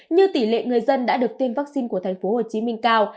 như tỷ lệ người dân đã được tiêm vaccine của tp hcm cao